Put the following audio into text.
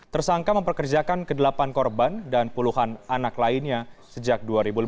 tersangka memperkerjakan ke delapan korban dan puluhan anak lainnya sejak dua ribu lima belas